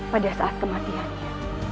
pada saat kematiannya